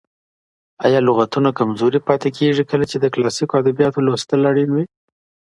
آیا لغتونه کمزوري پاته کیږي کله چي د کلاسیکو ادبیاتو لوستل اړین وي؟